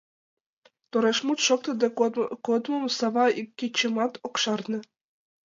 Тореш мут шоктыде кодмым Сава ик кечымат ок шарне.